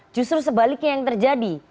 justru sebaliknya yang terjadi